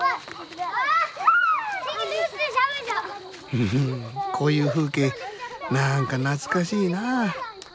ふふこういう風景何か懐かしいなあ。